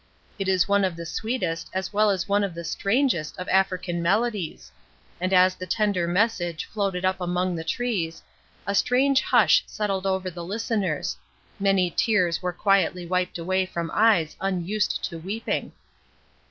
It is one of the sweetest as well as one of the strangest of African melodies; and as the tender message floated up among the trees, a strange hush settled over the listeners; many tears were quietly wiped away from eyes unused to weeping.